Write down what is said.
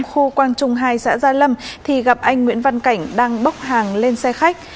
khu quang trung hai xã gia lâm thì gặp anh nguyễn văn cảnh đang bốc hàng lên xe khách